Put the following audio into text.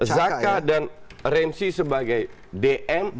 zaka dan remsi sebagai dm